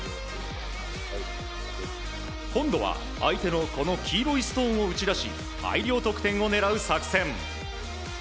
今度は、相手の黄色いストーンを打ち出し大量得点を狙う作戦。